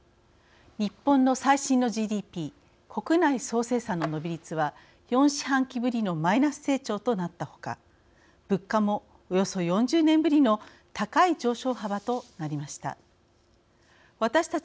日本の最新のＧＤＰ＝国内総生産の伸び率は４四半期ぶりのマイナス成長となった他物価も、およそ４０年ぶりの高い上昇幅となりました。